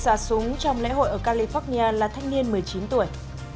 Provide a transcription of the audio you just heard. thủ phạm vụ xả súng trong lễ hội ở california là thanh niên một mươi chín tuổi